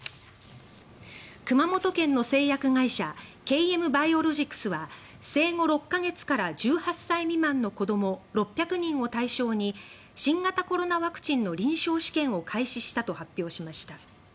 熊本県の製薬会社ＫＭバイオロジクスは生後６か月から１８歳未満の子ども６００人を対象に新型コロナワクチンの臨床試験を開始したと発表しました。